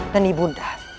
dan ibu anda